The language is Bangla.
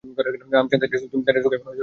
আমি জানতে চাই তুমি দারিদ্র্যকে ঘৃণা কর কি না।